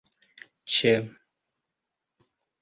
ĉe